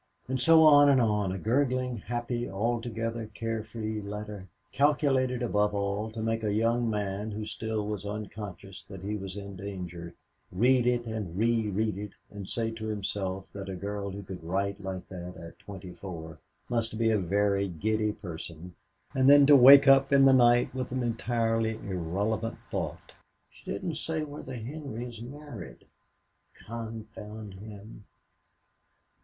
And so on and on a gurgling, happy, altogether care free letter, calculated above all to make a young man who still was unconscious that he was in danger, read it and re read it and say to himself that a girl who could write like that at twenty four must be a very giddy person, and then to wake up in the night with an entirely irrelevant thought "She didn't say whether Henry is married. Confound him."